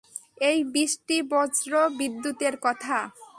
এই বৃষ্টিবজ্রবিদ্যুতের কথা!